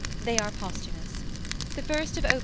They are posthumous. The first of op.